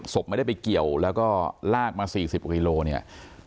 ศพไม่ได้ไปเกี่ยวแล้วก็ลากมา๔๐กว่ากิโลเนี่ย